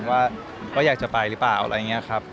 ว่าอยากจะไปหรือเปล่า